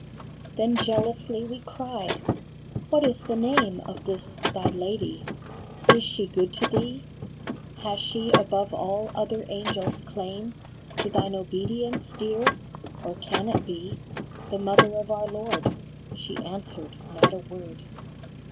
Then jealously we cried :" What is the name Of this thy Lady ? Is she good to thee ? Has she above all other angels claim To thine obedience, dear ; or can it be The Mother of our Lord ?" She answered not a word